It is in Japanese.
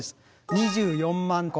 ２４万戸。